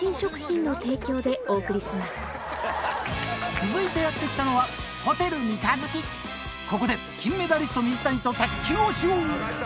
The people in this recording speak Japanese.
続いてやって来たのはここで金メダリスト水谷と卓球をしよう！